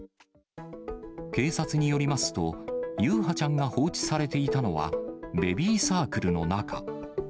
警察によりますと、優陽ちゃんが放置されていたのは、ベビーサークルの中。